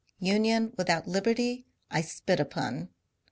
Union without liberty I spit upon.